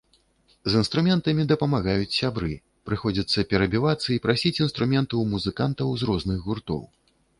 З інструментамі дапамагаюць сябры, прыходзіцца перабівацца і прасіць інструменты ў музыкантаў з розных гуртоў.